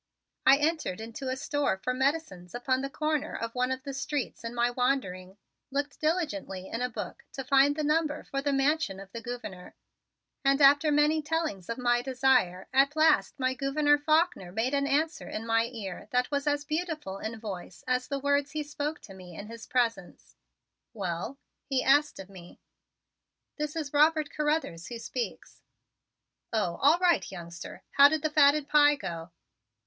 I entered into a store for medicines upon the corner of one of the streets in my wandering, looked diligently in a book to find the number for the Mansion of the Gouverneur, and after many tellings of my desire, at last my Gouverneur Faulkner made an answer in my ear that was as beautiful in voice as the words he spoke to me in his presence. "Well?" he asked of me. "This is Robert Carruthers who speaks." "Oh, all right, youngster. How did the fatted pie go?"